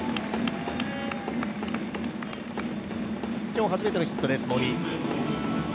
今日初めてのヒットです、森。